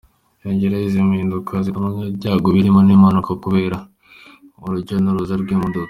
Yongeraho izi mpinduka zizanagabanya ibyago birimo n’impanuka kubera urujya n’uruza rw’imodoka.